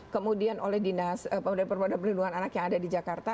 kemudian oleh dinas pemuda pemuda perlindungan anak yang ada di jakarta